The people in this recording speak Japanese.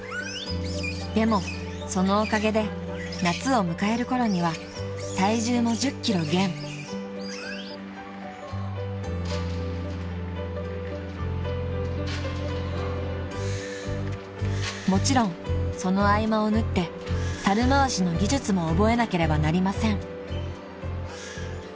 ［でもそのおかげで夏を迎えるころには体重も１０ｋｇ減］［もちろんその合間を縫って猿まわしの技術も覚えなければなりません］